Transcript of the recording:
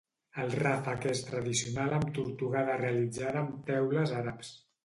El ràfec és tradicional amb tortugada realitzada amb teules àrabs.